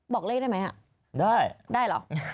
บอกเลขได้ไหมอ่ะได้ได้เหรอ